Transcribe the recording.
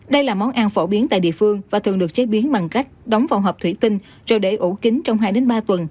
đây là món ăn phổ biến tại địa phương và thường được chế biến bằng cách đóng vào hộp thủy tinh rồi để ủ kính trong hai ba tuần